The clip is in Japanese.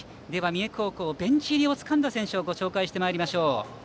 三重高校ベンチ入りをつかんだ選手をご紹介しましょう。